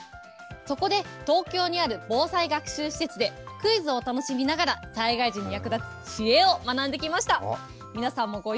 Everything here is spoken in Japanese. そこで東京にある防災学習施設で、クイズを楽しみながら災害時に役立つ知恵を学んできました。